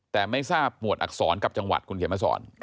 แต่ไม่ทราบหมวดอักษรกับจังหวัดคุณเขียนมาสอน